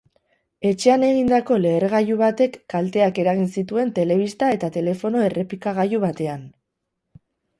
Etxean egindako lehergailu batek kalteak eragin zituen telebista eta telefono errepikagailu batean.